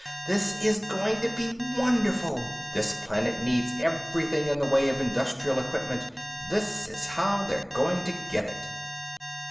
This is going to be wonderful; this planet needs everything in the way of industrial equipment; this is how they're going to get it."